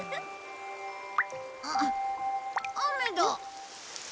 あっ雨だ。